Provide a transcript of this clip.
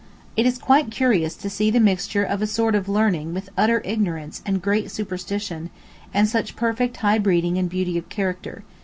It is quite curious to see the mixture of a sort of learning with utter ignorance and great superstition, and such perfect high breeding and beauty of character.